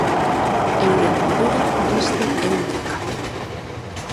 Euren modura beste ehundaka.